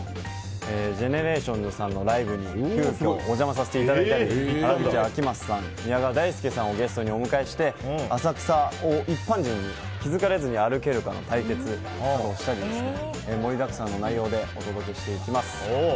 ＧＥＮＥＲＡＴＩＯＮＳさんのライブにお邪魔させていただいたり原口あきまささん宮川大輔さんをゲストにお迎えして浅草を一般人に気づかれず歩けるかの対決をしたり盛りだくさんの内容でお届けします。